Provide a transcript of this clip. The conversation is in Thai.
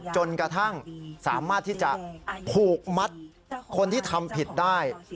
จนกระทั่งสามารถขอกำลังพูกมัดคนที่ทำผิดได้